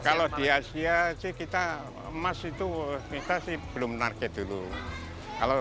kalau di asia sih kita emas itu kita sih belum target dulu